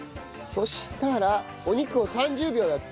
そしたらお肉を３０秒だって。